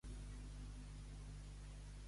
Ves a ta mare que et bolque, monyicot.